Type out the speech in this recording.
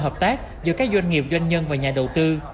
hợp tác giữa các doanh nghiệp doanh nhân và nhà đầu tư